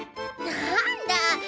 なんだ。